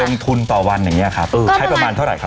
รองทุนต่อวันอย่างงี้อ่ะใช้ภาระประมาณเท่าไรครับ